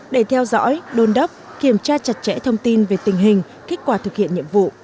để theo dõi đôn đốc kiểm tra chặt chẽ thông tin về tình hình kết quả thực hiện nhiệm vụ